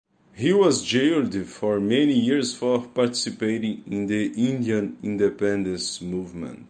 He was jailed for many years for participating in the Indian independence movement.